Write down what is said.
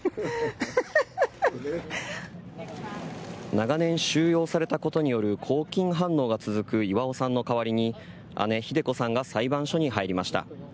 長年収容されたことによる拘禁反応が続く巌さんの代わりに姉・ひで子さんが裁判所に入りました。